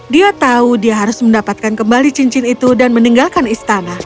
dia tahu dia harus mendapatkan kembali cincin itu dan meninggalkan istana